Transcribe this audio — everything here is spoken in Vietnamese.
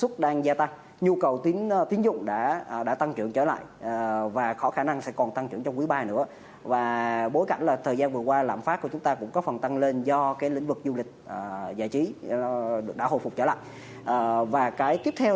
phục trả lặng và cái tiếp theo